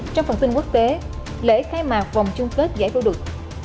trong phần tin quốc tế lễ khai mạc vòng chung kết giải phẫu đực